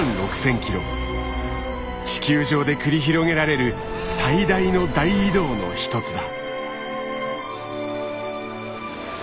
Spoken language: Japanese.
地球上で繰り広げられる最大の大移動の一つだ。